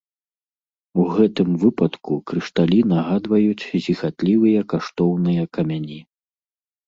У гэтым выпадку крышталі нагадваюць зіхатлівыя каштоўныя камяні.